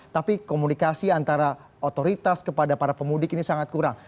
tapi komunikasi antara otoritas kepada para pemudik ini sangat kurang